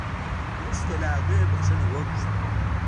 وروسته له هغه بخښنه وغوښته